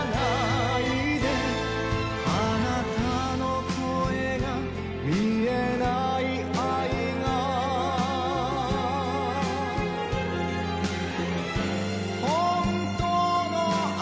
あなたの声が見えない愛が真実の愛